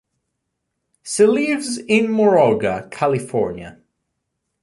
She lives in Moraga, California.